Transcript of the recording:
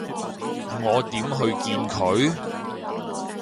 我點去見佢？